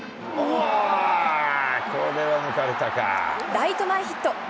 ライト前ヒット。